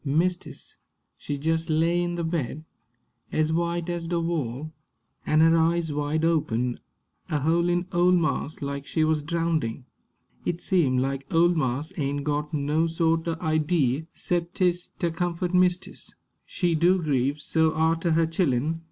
Mistis, she jes' lay in the bed, ez white ez de wall, an' her eyes wide open, a hole'in' ole marse like she wuz drowndin'. It seem like ole marse ain' got no sort o' idee, 'cep 'tis ter comfort mistis. She do grieve so arter her chillen.